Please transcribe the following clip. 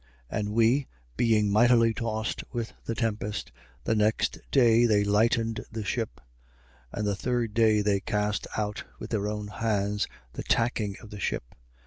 And we, being mightily tossed with the tempest, the next day they lightened the ship. 27:19. And the third day they cast out with their own hands the tacking of the ship.